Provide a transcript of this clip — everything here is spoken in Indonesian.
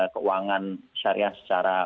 keuangan syariah secara